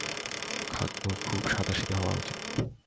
খাদ্য খুব সাদাসিধা হওয়া উচিত।